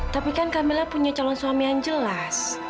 tapi kan camilla punya calon suami yang jelas